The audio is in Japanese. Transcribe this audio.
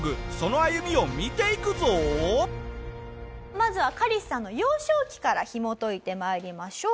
まずはカリスさんの幼少期からひもといて参りましょう。